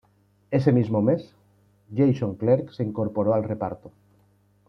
Ese mismo mes, Jason Clarke se incorporó al reparto.